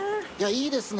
いいですね